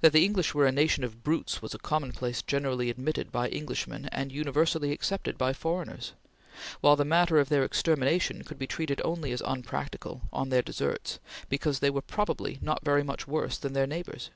That the English were a nation of brutes was a commonplace generally admitted by Englishmen and universally accepted by foreigners; while the matter of their extermination could be treated only as unpractical, on their deserts, because they were probably not very much worse than their neighbors.